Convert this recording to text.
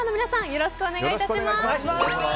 よろしくお願いします。